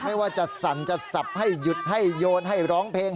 ไม่ว่าจะสั่นจะสับให้หยุดให้โยนให้ร้องเพลง